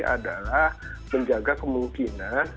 adalah menjaga kemungkinan